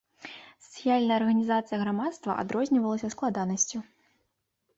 Сацыяльная арганізацыя грамадства адрознівалася складанасцю.